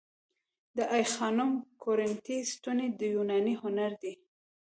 د آی خانم کورینتی ستونې د یوناني هنر دي